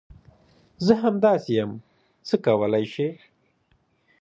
زه همداسي یم ، څه کولی شې ؟